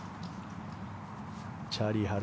チャーリー・ハル